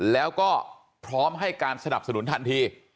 แล้วก็พร้อมให้การสนับสนุนทันที